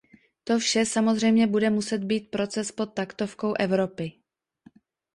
To vše samozřejmě bude muset být proces pod taktovkou Evropy.